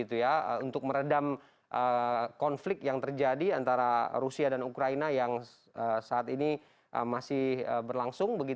untuk meredam konflik yang terjadi antara rusia dan ukraina yang saat ini masih berlangsung